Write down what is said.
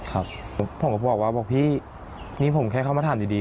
หน้าภาคเลยหรอครับผมก็บอกว่าบอกพี่นี่ผมแค่เข้ามาถามดี